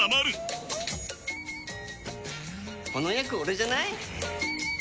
この役オレじゃない？